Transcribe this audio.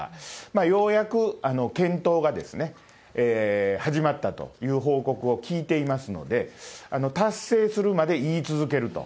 ようやく検討が始まったという報告を聞いていますので、達成するまで言い続けると。